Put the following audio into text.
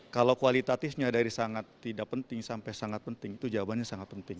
kalau kualitatifnya dari sangat tidak penting sampai sangat penting itu jawabannya sangat penting